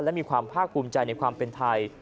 และมีความภาคภูมิใจในความเป็นไทย